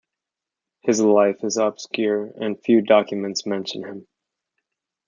His life is obscure and few documents mention him.